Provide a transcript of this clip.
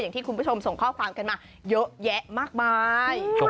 อย่างที่คุณผู้ชมส่งข้อความกันมาเยอะแยะมากมาย